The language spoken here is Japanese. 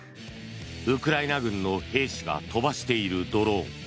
ウクライナ軍の兵士が飛ばしているドローン。